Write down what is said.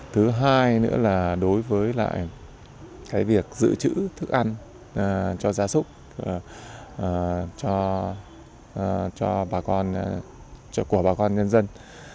thứ hai nữa là đối với việc giữ trữ thức ăn cho gia súc của bà con nhân dân